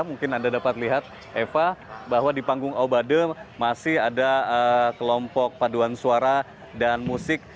mungkin anda dapat lihat eva bahwa di panggung obade masih ada kelompok paduan suara dan musik